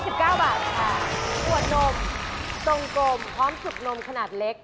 ๔๙บาทค่ะ